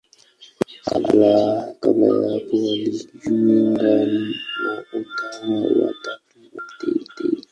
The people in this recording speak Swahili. Kabla ya hapo alijiunga na Utawa wa Tatu wa Mt.